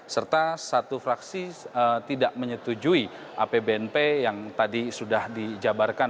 serta satu fraksi tidak menyetujui apbnp yang tadi sudah dijabarkan